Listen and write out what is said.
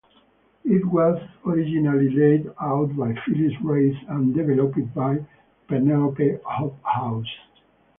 It was originally laid out by Phyllis Reiss and developed by Penelope Hobhouse.